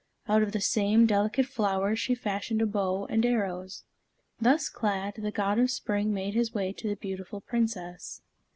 Out of the same delicate flowers she fashioned a bow and arrows. Thus clad, the God of Spring made his way to the beautiful Princess.